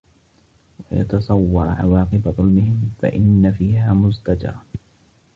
وَيَتَصَوَّرَ عَوَاقِبَ ظُلْمِهِمْ فَإِنَّ فِيهَا مُزْدَجَرًا